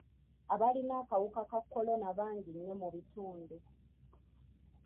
Abalina akawuka ka kolona bangi nnyo mu bitundu.